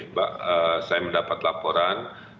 mbak saya mendapat laporan